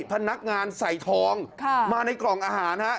พนักงานใส่ทองมาในกล่องอาหารฮะ